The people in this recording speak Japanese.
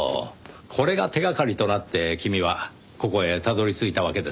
これが手掛かりとなって君はここへたどり着いたわけですね。